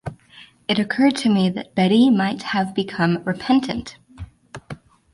It occurred to me that Betty might have become repentant.